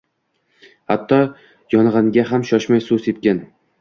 Hatto yong’inga ham shoshmay suv sepgin.